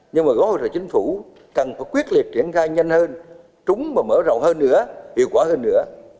nhưng mà gói hỗ trợ chính phủ cần phải quyết liệt triển khai nhanh hơn trúng và mở rộng hơn nữa hiệu quả hơn nữa